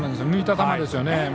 抜いた球ですよね。